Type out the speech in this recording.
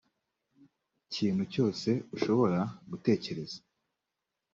kintu cyose ushobora gutekereza